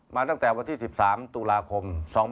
มาตั้งแต่วันที่๑๓ตุลาคม๒๕๖๒